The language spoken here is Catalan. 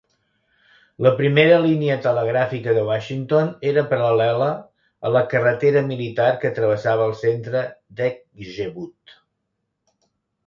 La primera línia telegràfica de Washington era paral·lela a la carretera militar que travessava el centre d'Edgewood.